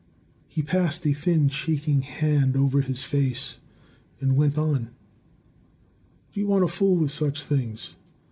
He passed a thin, shaking hand over his face, and went on: "Do you want to fool with such things?